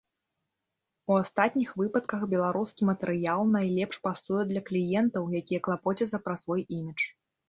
У астатніх выпадках беларускі матэрыял найлепш пасуе для кліентаў, якія клапоцяцца пра свой імідж.